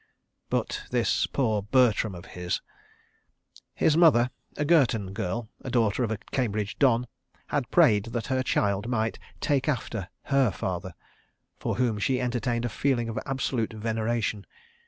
But this poor Bertram of his ... His mother, a Girton girl, and daughter of a Cambridge Don, had prayed that her child might "take after" her father, for whom she entertained a feeling of absolute veneration.